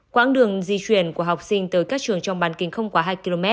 quãng đường di chuyển của học sinh tới các trường trong bán kính không quá hai km